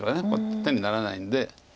手にならないんで。